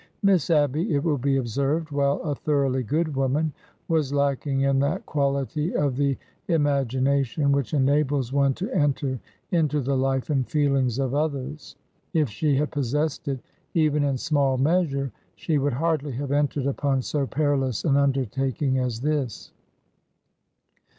Miss Abby, it will be observed, while a thoroughly good woman, was lacking in that quality of the imagination which enables one to enter into the life and feelings of others. If she had possessed it, even in small measure, she would hardly have entered upon so perilous an undertaking as this.